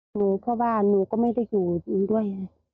หนูเข้าบ้านหนูก็ไม่ได้อยู่ด้วย